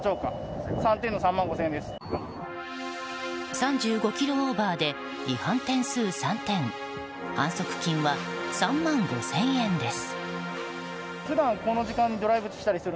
３５キロオーバーで違反点数３点反則金は３万５０００円です。